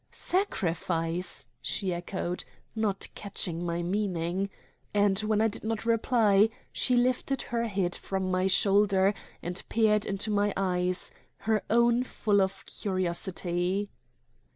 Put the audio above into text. "Sacrifice!" she echoed, not catching my meaning. And when I did not reply she lifted her head from my shoulder and peered into my eyes, her own full of curiosity.